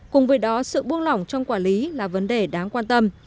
cùng với đó sự buông lỏng trong quản lý là vấn đề đáng quan tâm